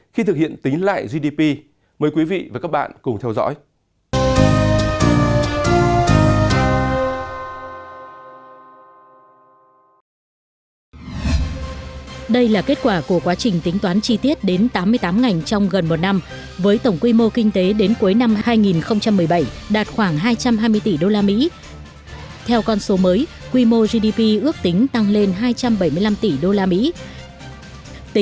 khi thực hiện tính lại gdp mời quý vị và các bạn cùng theo dõi